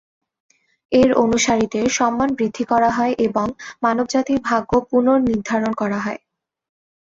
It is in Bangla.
এর অনুসারীদের সম্মান বৃদ্ধি করা হয় এবং মানবজাতির ভাগ্য পুনর্নির্ধারণ করা হয়।